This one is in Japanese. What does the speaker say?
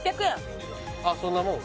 あっそんなもん？